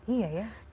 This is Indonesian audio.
iya ya betul betul